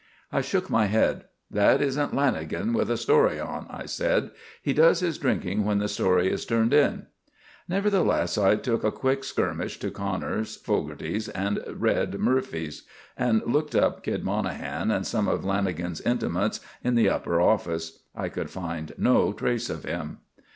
I shook my head. "That isn't Lanagan with a story on," I said. "He does his drinking when the story is turned in." Nevertheless I took a quick skirmish to Connor's, Fogarty's and "Red" Murphy's; looked up "Kid" Monahan and some of Lanagan's intimates in the upper office. I could find no trace of him.